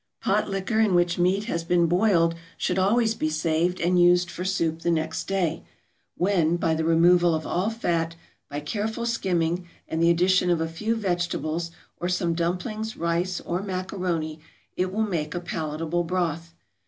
Pot liquor in which meat has been boiled should always be saved and used for soup the next day, when by the removal of all fat, by careful skimming, and the addition of a few vegetables or some dumplings, rice, or macaroni, it will make a palatable broth.